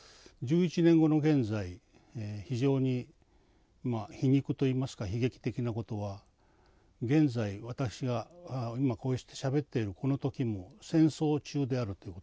１１年後の現在非常に皮肉といいますか悲劇的なことは現在私が今こうしてしゃべってるこの時も戦争中であるということです。